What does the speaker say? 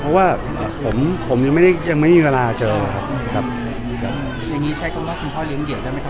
เพราะว่าผมผมยังไม่ได้ยังไม่มีเวลาเจอครับอย่างนี้ใช้คำว่าคุณพ่อเลี้ยเหยียได้ไหมครับ